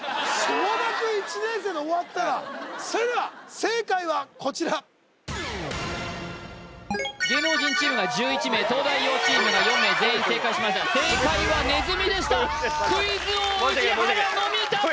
小学１年生で終わったらそれでは正解はこちら芸能人チームが１１名東大王チームが４名全員正解しました正解はねずみでしたクイズ王宇治原のみ脱落！